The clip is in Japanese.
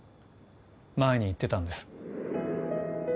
前に言ってたんです